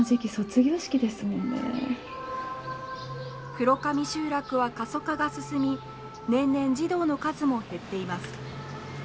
黒神集落は過疎化が進み年々児童の数も減っています。